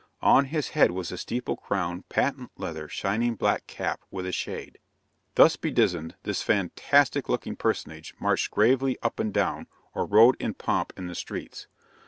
On his head was a steeple crowned patent leather shining black cap with a shade. Thus bedizened, this fantastic looking personage marched gravely up and down, or rode in pomp in the streets.